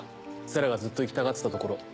星来がずっと行きたがってた所。